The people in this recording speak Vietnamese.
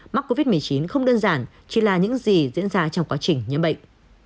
mắc covid một mươi chín không đơn giản chỉ là những gì diễn ra trong quá trình nhiễm bệnh